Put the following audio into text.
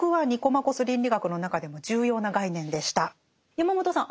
山本さん